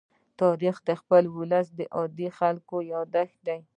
تاریخ د خپل ولس د عادي خلکو يادښت دی.